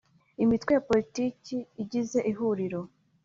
Imitwe ya Politiki igize Ihuriro